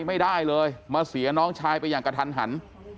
ไม่ได้เลยมาเสียน้องชายไปอย่างกระทันหัน